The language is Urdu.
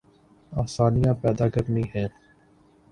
آسانیاں پیدا کرنی ہیں۔